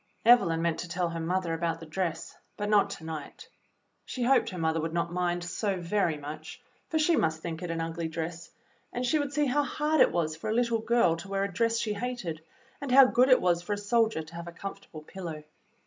Evelyn meant to tell her mother about the dress, but not to night. She hoped her mother would not mind so very much, for she must think it an ugly dress, and she would see how hard it was for a little girl to wear a dress she hated, and how good it was for a soldier to have a comfortable pillow.